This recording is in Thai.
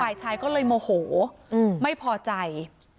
ฝ่ายชายก็เลยโมโหไม่พอใจ